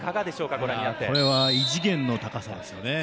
これは異次元の高さですね。